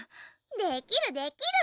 できるできる！